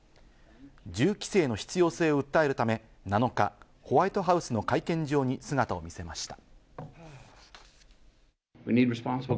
銃規制の必要性を訴えるため、７日、ホワイトハウスの会見場に姿を見せました。